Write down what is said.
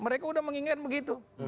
mereka udah mengingat begitu